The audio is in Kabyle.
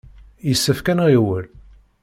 Yessefk ad nɣiwel.